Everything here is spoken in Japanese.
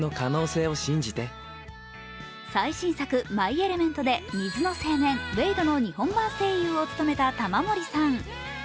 最新作「マイ・エレメント」で水の青年・ウェイドの日本版声優を務めた玉森さん。